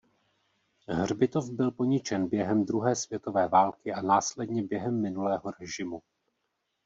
Hřbitov byl poničen během druhé světové války a následně během minulého režimu.